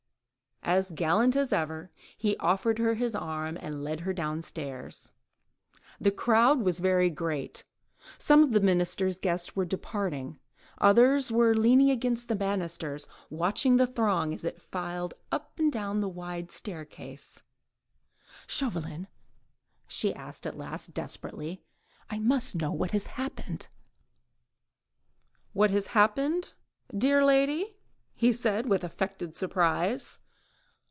As gallant as ever, he offered her his arm and led her downstairs. The crowd was very great, some of the Minister's guests were departing, others were leaning against the banisters watching the throng as it filed up and down the wide staircase. "Chauvelin," she said at last desperately, "I must know what has happened." "What has happened, dear lady?" he said, with affected surprise.